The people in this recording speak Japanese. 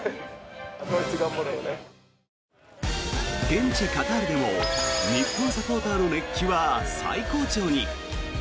現地カタールでも日本サポーターの熱気は最高潮に。